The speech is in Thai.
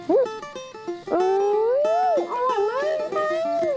อืมอร่อยมากนะ